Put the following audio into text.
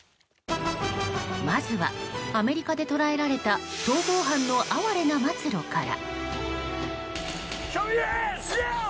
まずは、アメリカで捉えられた逃亡犯の哀れな末路から。